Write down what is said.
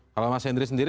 kalau mas hendri sendiri